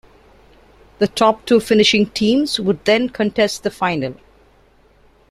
The top two finishing teams would then contest the final.